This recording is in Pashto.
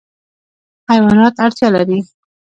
حیوانات اړتیا لري.